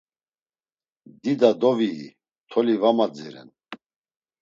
Dida dovii, toli var madziren.